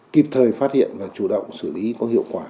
kịp thời phát hiện và chủ động xử lý có hiệu quả